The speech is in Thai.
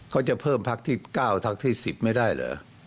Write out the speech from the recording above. เขาจะเพิ่มพักที่๙พักที่๑๐ไม่ได้เหรอ